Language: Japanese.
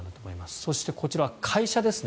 そして、こちらは会社ですね。